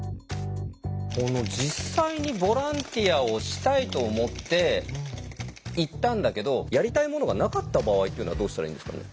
実際にボランティアをしたいと思って行ったんだけどやりたいものがなかった場合っていうのはどうしたらいいんですかね？